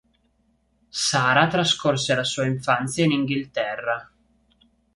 Sara trascorse la sua infanzia in Inghilterra.